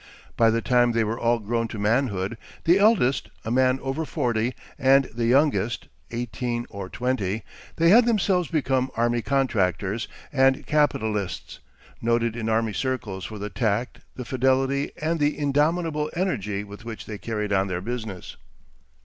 By the time they were all grown to manhood, the eldest, a man over forty, and the youngest, eighteen or twenty, they had themselves become army contractors and capitalists, noted in army circles for the tact, the fidelity, and the indomitable energy with which they carried on their business.